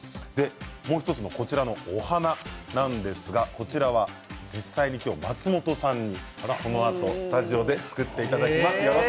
もう１つのお花なんですがこちらは実際に今日、松本さんにこのあとスタジオで作っていただきます。